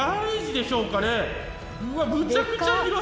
うわむちゃくちゃ広い！